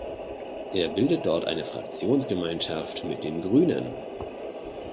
Er bildet dort eine Fraktionsgemeinschaft mit den Grünen.